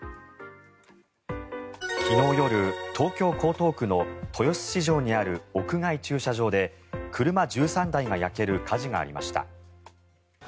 昨日夜、東京・江東区の豊洲市場にある屋外駐車場で車１３台が焼ける火事がありました。